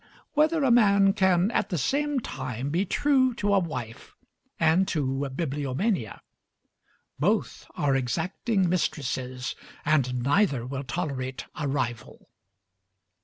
whether a man can at the same time be true to a wife and to bibliomania. Both are exacting mistresses, and neither will tolerate a rival.